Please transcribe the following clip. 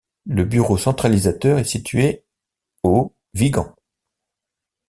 Le bureau centralisateur est situé au Vigan.